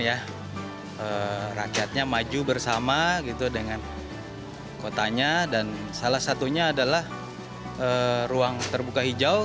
ya rakyatnya maju bersama gitu dengan kotanya dan salah satunya adalah ruang terbuka hijau